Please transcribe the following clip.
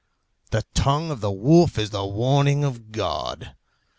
The tongue of the wolf is the warning of God.